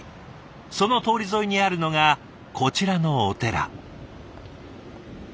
その通り沿いにあるのがこちらのお寺。